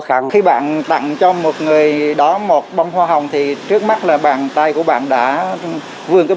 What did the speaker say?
khác khi bạn tặng cho một người đó một bông hoa hồng thì trước mắt là bàn tay của bạn đã vươn cái